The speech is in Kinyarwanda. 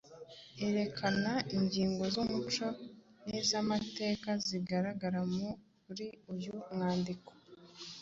Erekana ingingo z’umuco n’iz’amateka zigaragara muri uyu mwandiko.